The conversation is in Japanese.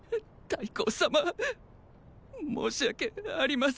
太后様申し訳ありません。